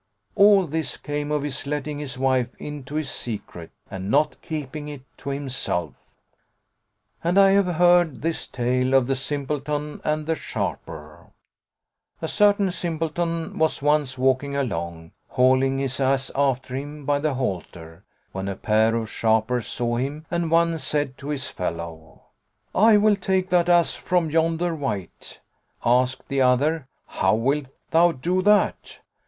All this came of his letting his wife into his secret and not keeping it to himself.[FN#118] And I have heard this tale of THE SIMPLETON AND THE SHARPER A certain simpleton was once walking along, haling his ass after him by the halter, when a pair of sharpers saw him and one said to his fellow, "I will take that ass from yonder wight." Asked the other, "How wilt thou do that?"